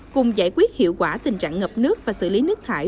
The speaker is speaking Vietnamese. cùng giải quyết hiệu quả tình trạng ngập nước và xử lý nước thải